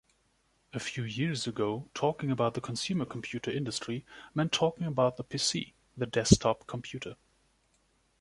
A few years ago, talking about the consumer computer industry meant talking about the PC, the desktop computer.